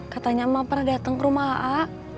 katanya emak pernah datang ke rumah a a